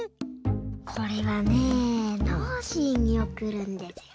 これはねノージーにおくるんですよ。